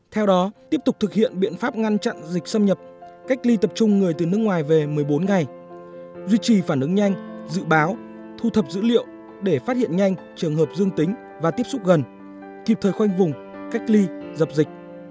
theo đó tiếp tục thực hiện biện pháp ngăn chặn dịch xâm nhập cách ly tập trung người từ nước ngoài về một mươi bốn ngày duy trì phản ứng nhanh dự báo thu thập dữ liệu để phát hiện nhanh trường hợp dương tính và tiếp xúc gần kịp thời khoanh vùng cách ly dập dịch